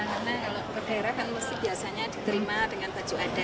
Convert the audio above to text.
karena kalau ke daerah kan biasanya diterima dengan baju adat